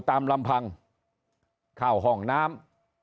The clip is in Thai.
ตามลำพังเข้าห้องน้ำ